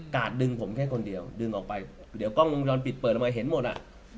ดึงผมแค่คนเดียวดึงออกไปเดี๋ยวกล้องวงจรปิดเปิดออกมาเห็นหมดอ่ะ